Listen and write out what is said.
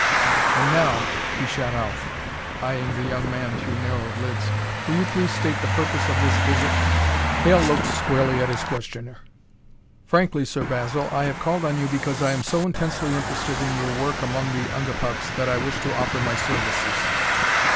"And now," he shot out, eyeing the young man through narrowed lids, "will you please state the purpose of this visit?" Hale looked squarely at his questioner. "Frankly, Sir Basil, I have called on you because I am so intensely interested in your work among the Ungapuks that I wish to offer my services."